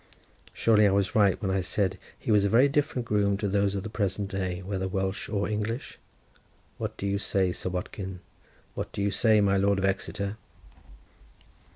Surely I was right when I said he was a very different groom to those of the present day, whether Welsh or English? What say you, Sir Watkin? What say you, my Lord of Exeter?